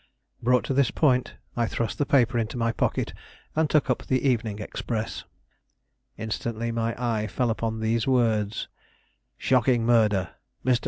Brought to this point, I thrust the paper into my pocket, and took up the evening Express. Instantly my eye fell upon these words: SHOCKING MURDER MR.